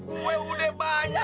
gue udah banyak